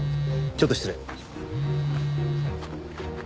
ちょっと失礼。